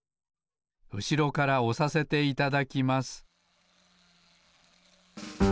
うしろからおさせていただきます